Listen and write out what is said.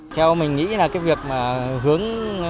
theo mình nghĩ là cái việc mà hướng cháu ngay từ bé